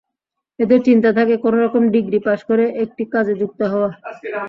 এদের চিন্তা থাকে, কোনো রকম ডিগ্রি পাস করে একটি কাজে যুক্ত হওয়া।